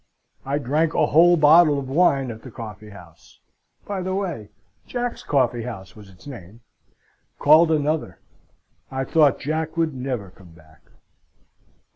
I drank a whole bottle of wine at the coffee house by the way, Jack's Coffee House was its name called another. I thought Jack would never come back.